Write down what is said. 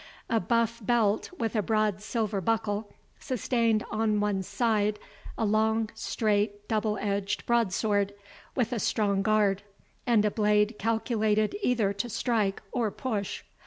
A buff belt, with a broad silver buckle, sustained on one side a long straight double edged broadsword, with a strong guard, and a blade calculated either to strike or push.